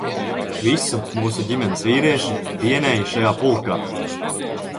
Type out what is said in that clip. Visu mūsu ģimenes vīrieši dienēja šajā pulkā.